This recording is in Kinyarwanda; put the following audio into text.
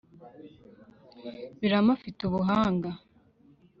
birama afite ubuhanga